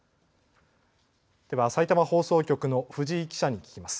では、さいたま放送局の藤井記者に聞きます。